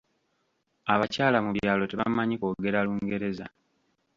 Abakyala mu byalo tebamanyi kwogera Lungereza.